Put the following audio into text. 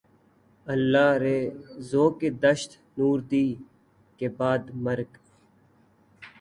اللہ رے ذوقِ دشت نوردی! کہ بعدِ مرگ